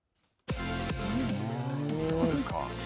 どうですか。